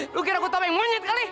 lu kira gua tau yang munyid kali